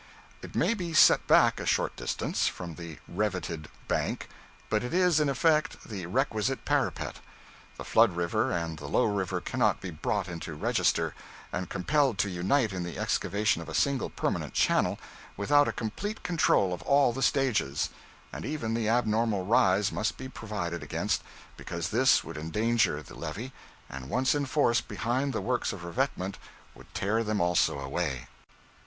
It may be set back a short distance from the revetted bank; but it is, in effect, the requisite parapet. The flood river and the low river cannot be brought into register, and compelled to unite in the excavation of a single permanent channel, without a complete control of all the stages; and even the abnormal rise must be provided against, because this would endanger the levee, and once in force behind the works of revetment would tear them also away.